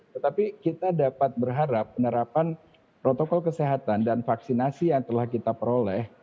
tetapi kita dapat berharap penerapan protokol kesehatan dan vaksinasi yang telah kita peroleh